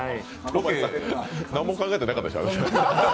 何も考えてなかったでしょう？